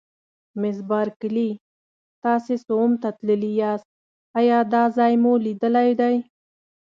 مس بارکلي: تاسي سوم ته تللي یاست، ایا دا ځای مو لیدلی دی؟